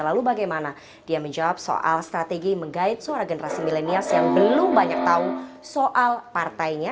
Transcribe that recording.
lalu bagaimana dia menjawab soal strategi mengait suara generasi milenials yang belum banyak tahu soal partainya